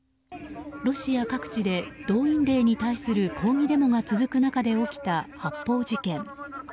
ロシア各地で動員令に対する抗議デモが続く中で起きた発砲事件。